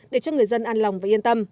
để cho người dân an lòng và yên tâm